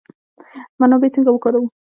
منابع څنګه وکاروو؟